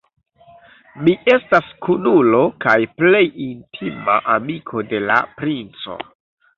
Mi estas kunulo kaj plej intima amiko de la princo.